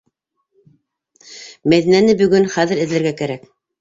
Мәҙинәне бөгөн, хәҙер эҙләргә кәрәк.